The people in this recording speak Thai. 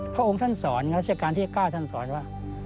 พระองค์ท่านสอนรัชกาลที่๙ท่านสอนว่า